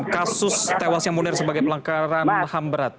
kasus tewasnya munir sebagai pelanggaran ham berat